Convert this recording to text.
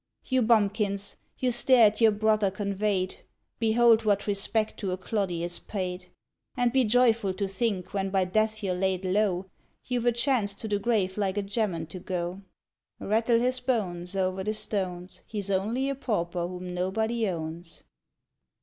_ You bumpkins! who stare at your brother conveyed, Behold what respect to a cloddy is paid! And be joyful to think, when by death you 're laid low, You've a chance to the grave like a gemman to go! _Rattle his bones over the stones! He's only a pauper whom nobody owns!